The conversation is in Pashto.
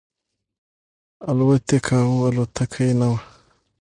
الوت یې کاو الوتکه یې نه وه.